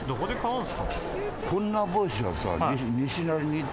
こんな帽子はさ。